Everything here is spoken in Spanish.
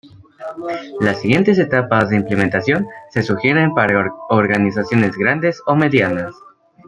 Las siguientes etapas de implementación se sugieren para organizaciones grandes o medianas.